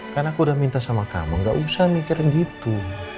kan aku udah minta sama kamu nggak usah mikir gitu